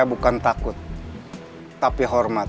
bukan takut tapi hormat